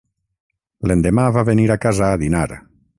L'endemà va venir a casa a dinar.